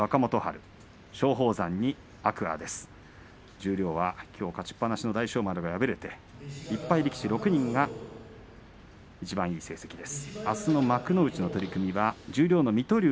十両はきょう勝ちっぱなしの大翔丸が敗れて１敗力士６人がいちばんいい成績です。